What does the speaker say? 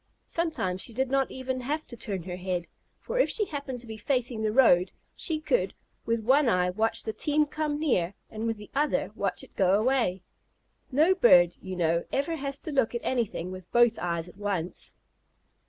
Sometimes she did not even have to turn her head, for if she happened to be facing the road, she could with one eye watch the team come near, and with the other watch it go away. No bird, you know, ever has to look at anything with both eyes at once.